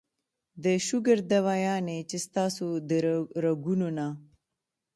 د شوګر دوايانې چې ستاسو د رګونو نه